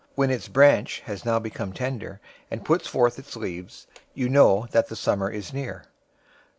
When its branch has now become tender, and puts forth its leaves, you know that the summer is near.